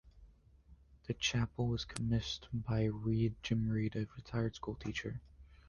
The chapel was commissioned by Jim Reed, a retired schoolteacher.